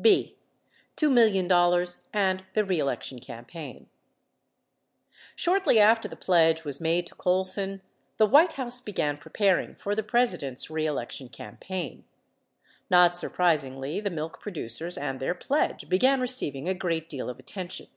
35 b. $2 Million and the Reelection C ampaign Shortly after the pledge was made to Colson, the White House began preparing for the President's reelection campaign. Not surpris higly, the milk producers and their pledge began receiving a great deal of attention.